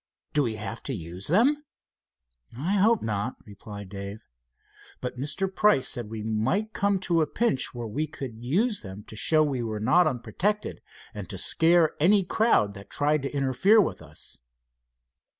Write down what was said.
"Do we have to use them?" "I hope not," replied Dave, "but Mr. Price said we might come to a pinch where we could use them to show we were not unprotected, and to scare any crowd that tried to interfere with us."